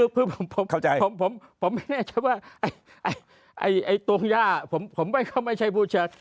คือผมไม่แน่ใจว่าตรงย่าผมไม่เข้ามาใช้พูดชาติ